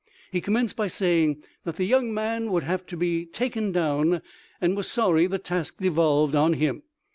He commenced by saying that the young man would have to be taken down, and was sorry the task devolved on him.